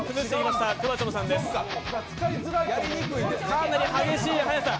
かなり激しい速さ。